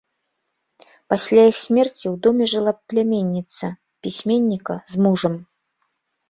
Пасля іх смерці ў доме жыла пляменніца пісьменніка з мужам.